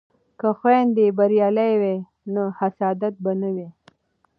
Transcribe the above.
که خویندې بریالۍ وي نو حسادت به نه وي.